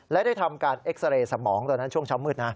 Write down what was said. และได้ทำการเอ็กซาเรย์สมองตอนนั้นช่วงเช้ามืดนะ